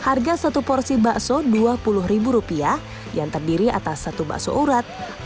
harga satu porsi bakso dua puluh yang terdiri atas satu bakso urat